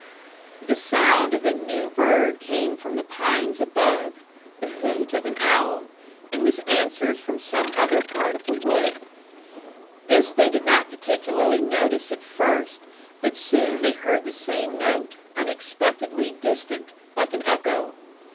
The sound of a new bird came from the pines above the hoot of an owl and was answered from some other part of the wood. This they did not particularly notice at first, but soon they heard the same note, unexpectedly distant, like an echo.